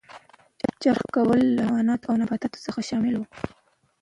چرخ کول له حیواناتو او نباتاتو څخه شامل و.